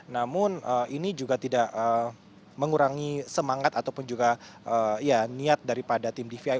namun ini juga tidak mengurangi semangat ataupun juga ya niat daripada tim dvi